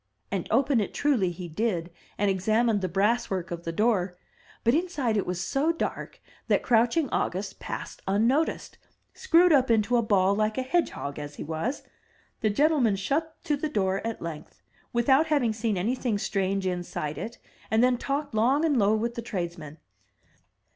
And open it truly he did, and examined the brass work of the door; but inside it was so dark that crouching August passed unnoticed, screwed up into a ball like a hedgehog as he was. The gentleman shut to the door at length, without having seen anything strange inside it; and then talked long and low with the tradesmen.